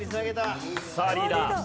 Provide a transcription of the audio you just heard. さあリーダー！